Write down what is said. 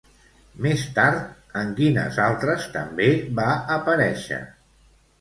Més tard, en quines altres també va aparèixer?